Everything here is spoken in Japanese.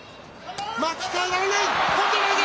巻き替えられない。